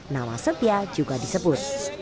nama setia juga disebut